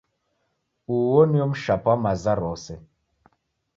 Uo nio mshapa wa maza rose.